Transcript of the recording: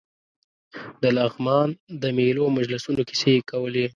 د لغمان د مېلو او مجلسونو کیسې کولې.